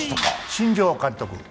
新庄監督。